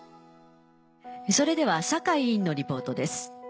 それでは酒井委員のリポートです。